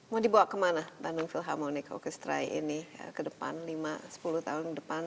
mau dibawa kemana bandung philharmonic orchestra ini ke depan lima sepuluh tahun depan